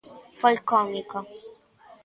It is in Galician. Foi cómico.